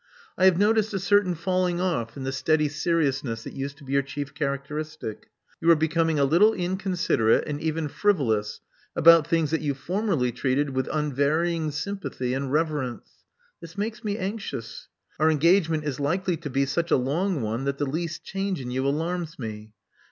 "I have noticed a certain falling off in the steady seriousness that used to be your chief characteristic. You are becoming a little inconsiderate and even frivolous about things that you formerly treated with tmvarying sympathy and reverence. This makes me anxious. Our engagement is likely to be such a long one, that the least change in you alarms me.